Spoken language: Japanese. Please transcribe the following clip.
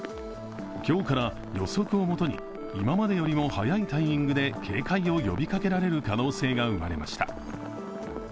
今日から予測をもとに今までよりも早いタイミングで警戒を呼びかけられる可能性が生まれました。